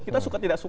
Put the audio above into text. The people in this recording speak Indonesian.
kita suka tidak suka